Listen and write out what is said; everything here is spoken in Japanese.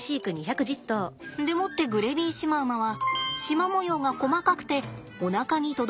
でもってグレビーシマウマはシマ模様が細かくておなかに届きません。